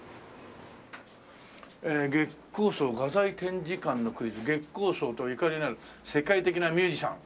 「月光荘画材展示館のクイズ」「月光荘とゆかりのある世界的なミュージシャン」